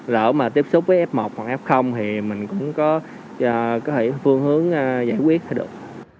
lỡ mà tiếp xúc với f một hoặc f thì mình cũng có thể phương hướng giải quyết được